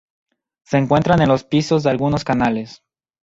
Se encuentran en los pisos de algunos canales.